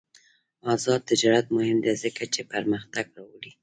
آزاد تجارت مهم دی ځکه چې پرمختګ راوړي.